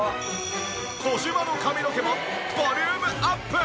児嶋の髪の毛もボリュームアップ！